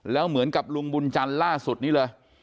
แล้วเหมือนกับลุงบุญจันทร์ล่าสุดนี้เลย